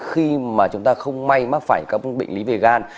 khi mà chúng ta không may mắc phải các bệnh lý về gan